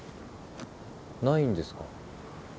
ないんですか？